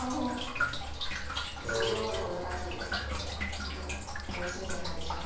なのでよろしいんじゃないでしょうか？